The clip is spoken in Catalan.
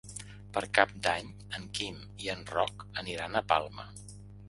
Per Cap d'Any en Quim i en Roc aniran a Palma.